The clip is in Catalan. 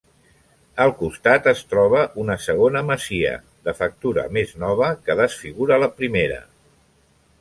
Al costat es troba una segona masia, de factura més nova, que desfigura la primera.